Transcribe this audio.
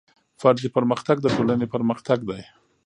فردي پرمختګ د ټولنې پرمختګ دی.